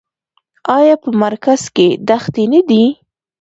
آیا په مرکز کې دښتې نه دي؟